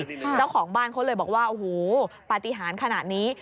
เจ้าของบ้านเขาเลยบอกว่าโอ้โหปฏิหารขนาดนี้